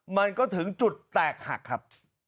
มันก็ถึงจุดแตกหักครับ